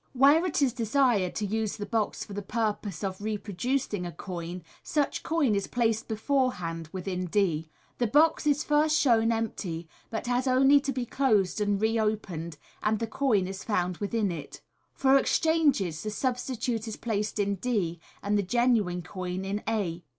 Where it is desired to use the box for the purpose of reproducing a coin, such coin is placed beforehand within d. The box is first shown empty, but has only to be closed and re opened, and the coin is found within it. For exchanges, the substitute is placed in d, and the genuine coin in a.